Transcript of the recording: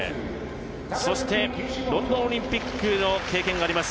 そしてロンドンオリンピックの経験があります。